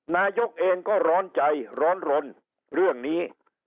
นายกเองก็ร้อนใจร้อนรนเรื่องนี้